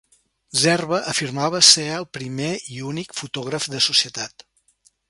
Zerbe afirmava ser el primer (i únic) fotògraf de societat.